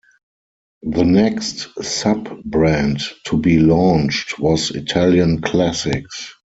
The next sub-brand to be launched was "Italian Classics".